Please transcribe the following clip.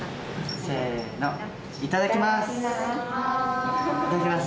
せーの、いただきます。